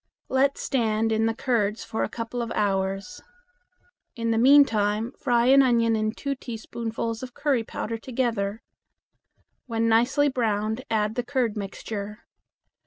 Let stand in the curds for a couple of hours. In the meantime fry an onion and two teaspoonfuls of curry powder together. When nicely browned add the curd mixture.